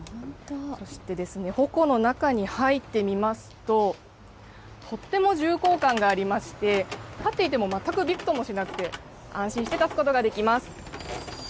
そして鉾の中に入ってみますと、とっても重厚感がありまして、立っていても、全くびくともしなくて、安心して立つことができます。